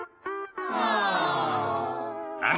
ああ。